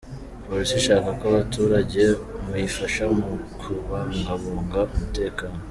Polisi ishaka ko abaturage muyifasha mu kubungabunga umutekano.